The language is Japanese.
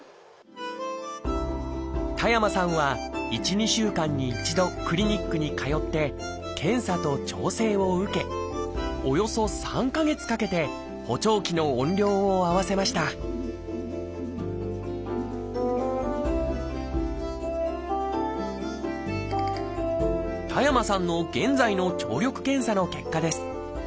田山さんは１２週間に１度クリニックに通って検査と調整を受けおよそ３か月かけて補聴器の音量を合わせました田山さんの現在の聴力検査の結果です。